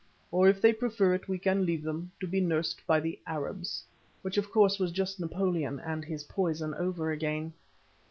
Or if they prefer it, we can leave them to be nursed by the Arabs," which of course was just Napoleon and his poison over again.